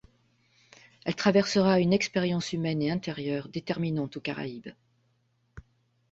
Elle traversera une expérience humaine et intérieure déterminante aux Caraïbes.